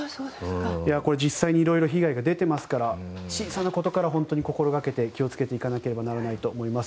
実際にいろいろ被害が出ていますから小さなところから心がけて気を付けていかなければならないと思います。